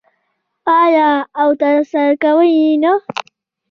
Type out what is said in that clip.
آیا او ترسره کوي یې نه؟